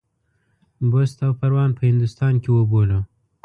بُست او پروان په هندوستان کې وبولو.